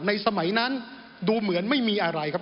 สมัยนั้นดูเหมือนไม่มีอะไรครับ